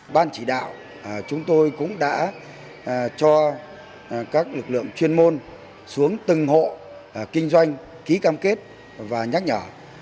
ban chỉ đạo chúng tôi cũng đã cho các lực lượng chuyên môn xuống từng hộ kinh doanh ký cam kết và nhắc nhở